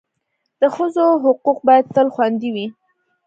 د ښځو حقوق باید تل خوندي وي.